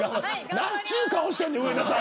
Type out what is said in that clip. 何ちゅう顔してんの、植田さん。